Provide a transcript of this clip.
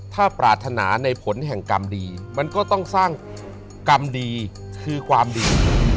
ถ้าปรารถนาในผลแห่งกรรมดีมันก็ต้องสร้างกรรมดีคือความดี